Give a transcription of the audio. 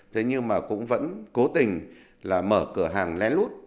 thế nhưng mà cũng vẫn cố tình là mở cửa hàng lén lút